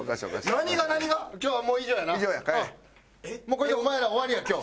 これでお前ら終わりや今日。